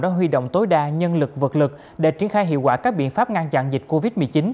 đã huy động tối đa nhân lực vật lực để triển khai hiệu quả các biện pháp ngăn chặn dịch covid một mươi chín